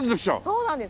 そうなんです。